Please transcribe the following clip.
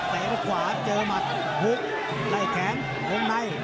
แม่มันจะไปหมุนคู่และยังไง